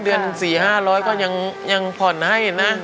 เดือนสี่ห้าร้อยก็ยังผ่อนให้นะ